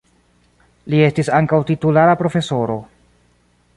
Li estis ankaŭ titulara profesoro.